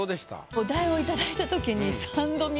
お題を頂いた時に。